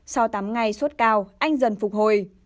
sau tám ngày xuất cao anh dần phục hồi